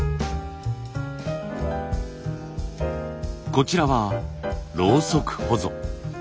こちらはろうそくほぞ。